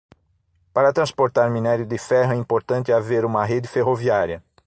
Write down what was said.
Para transportar mínério de ferro é importante haver uma rede ferroviária